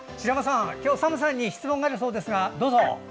今日はＳＡＭさんに質問があるそうですがどうぞ！